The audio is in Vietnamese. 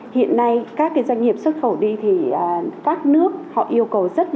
hiện nay các doanh nghiệp xuất khẩu đi thì các nước họ yêu cầu rất là nhiều